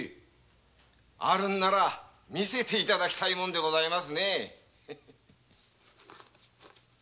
あるなら見せて頂きたいものでございますねえ。